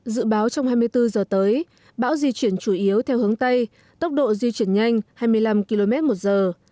dự báo trong hai mươi bốn giờ tới bão di chuyển chủ yếu theo hướng tây tốc độ di chuyển nhanh hai mươi năm km một giờ